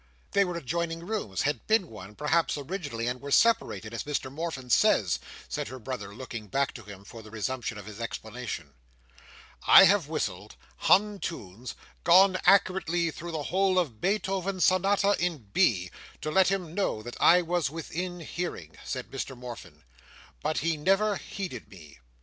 "They were adjoining rooms; had been one, Perhaps, originally; and were separated, as Mr Morfin says," said her brother, looking back to him for the resumption of his explanation. "I have whistled, hummed tunes, gone accurately through the whole of Beethoven's Sonata in B, to let him know that I was within hearing," said Mr Morfin; "but he never heeded me.